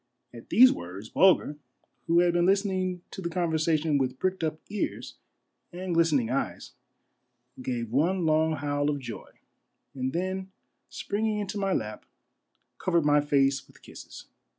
At these words Bulger, who had been listening to the conver sation with pricked up earn and glistening eyes, gave one long howl of joy, and then springing into my lap, covered my face with kisses.